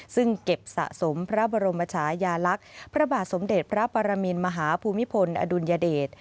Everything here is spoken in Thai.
ซึ่งเก็บสะสมพระบรมชายาลักษณ์พระบาทสมเด็จพระปรมินมหาภูมิพลอดุลยเดช